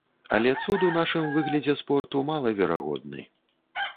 Але цуд у нашым выглядзе спорту малаверагодны.